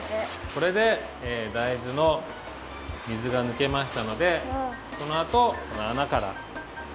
これで大豆の水がぬけましたのでこのあとこのあなから。